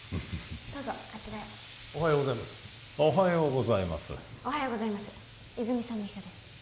どうぞあちらへおはようございますおはようございますおはようございます泉さんも一緒です